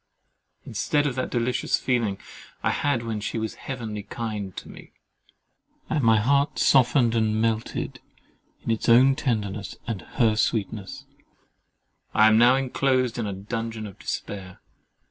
Instead of that delicious feeling I had when she was heavenly kind to me, and my heart softened and melted in its own tenderness and her sweetness, I am now inclosed in a dungeon of despair.